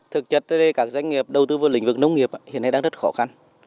thực chất các doanh nghiệp đầu tư vào lĩnh vực nông nghiệp hiện nay đang rất khó khăn